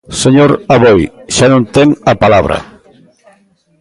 Señor Aboi, xa non ten a palabra.